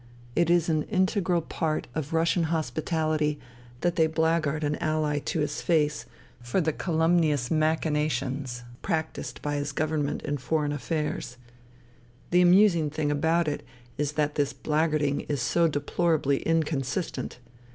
It is an integral part of Russian hospitality that they blackguard an " ally " to his face for the " calumnious machina tions " practised by his Government in foreign affairs. The amusing thing about it is that this blackguarding is so deplorably inconsistent.